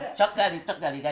cocok dari cocok dari gacok